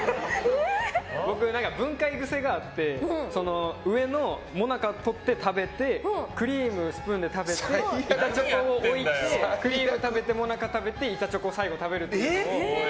僕、分解癖があって上のモナカをとって食べてクリームをスプーンで食べて板チョコを置いてクリーム食べて、モナカ食べて板チョコを最後食べるっていうのを。